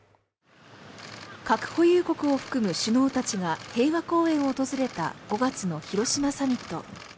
核保有国を含む首脳たちが平和公園を訪れた５月の広島サミット。